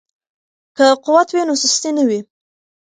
که قوت وي نو سستي نه وي.